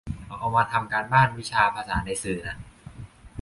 เอามาทำการบ้านวิชาภาษาในสื่อน่ะ